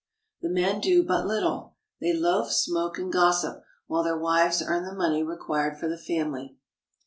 The men do but little. They loaf, smoke, and gossip, while their wives earn the money required for the family.